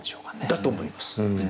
だと思います。